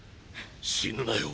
死ぬなよ。